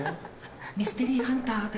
ミステリーハンターで。